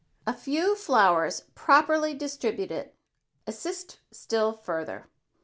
A few flowers properly distributed assist still further.